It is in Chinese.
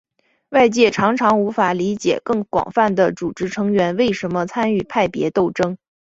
外界常常无法理解更广泛的组织成员为什么参与派别斗争。